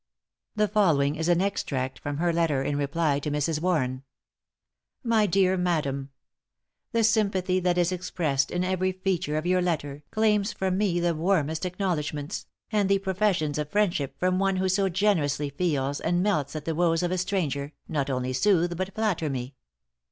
The following is an extract from her letter in reply to Mrs. Warren: "My dear Madam, "The sympathy that is expressed in every feature of your letter, claims from me the warmest acknowledgments; and the professions of friendship from one who so generously feels and melts at the woes of a stranger, not only soothe but flatter me.